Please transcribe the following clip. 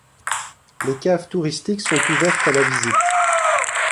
Les caves touristiques sont ouvertes à la visite.